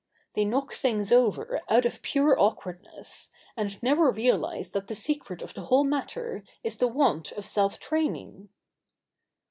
They knock things over out of pure awkwardness, and never realise that the secret of the whole matter is the want of self training.